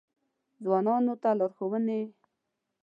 ځوانانو ته لارښوونې: